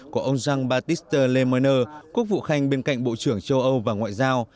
của ông jean baptiste le monnais quốc vụ khanh bên cạnh bộ trưởng châu âu và ngoại giao